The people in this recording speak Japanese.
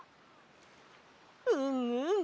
うんうん。